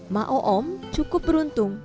ma'o oom cukup beruntung